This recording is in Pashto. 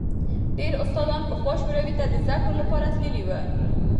ډېر استادان پخوا شوروي ته د زدکړو لپاره تللي وو.